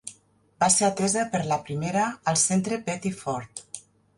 Va ser atesa per la primera al Centre Betty Ford.